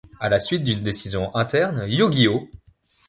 À la suite d'une décision interne, Yu-Gi-Oh!